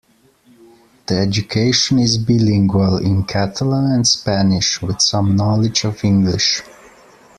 The education is bilingual in Catalan and Spanish, with some knowledge of English.